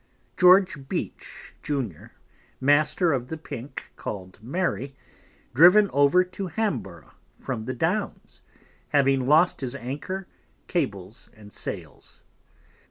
George Beach, Junior, Master of the Pink call'd Mary, driven over to Hamborough from the Downes, having lost his Anchor, Cables and Sails.